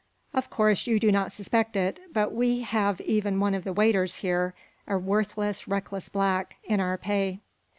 "Of course you do not suspect it, but we have even one of the waiters here a worthless, reckless black in our pay."